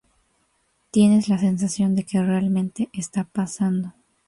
Tienes la sensación de que realmente está pasando.